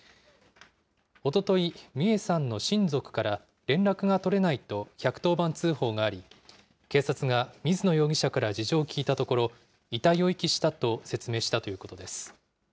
おととい、美惠さんの親族から連絡が取れないと１１０番通報があり、警察が水野容疑者から事情を聴いたところ、遺体を遺棄したと説明したということです。